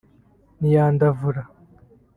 ntiyandavura